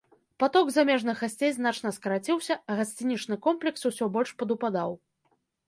Паток замежных гасцей значна скараціўся, а гасцінічны комплекс усё больш падупадаў.